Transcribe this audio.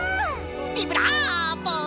ビブラーボ！